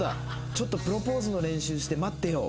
ちょっとプロポーズの練習して待ってよう」